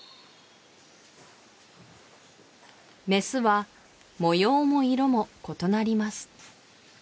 メスは模様も色も異なります